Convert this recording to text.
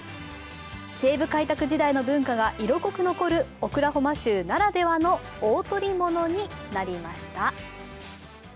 西部開拓時代の文化が色濃く残るオクラホマ州ならではの大捕り物になりました。